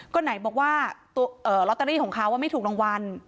ก็ไหนบอกว่าลอตเตอรี่ของเขาไม่ถูกรางวัล